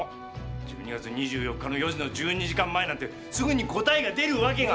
⁉１２月２４日の４時の１２時間前なんてすぐに答えが出るわけが。